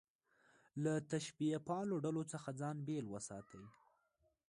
له تشبیه پالو ډلو څخه ځان بېل وساتي.